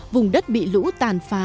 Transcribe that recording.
vùng đất bị lũ tàn phá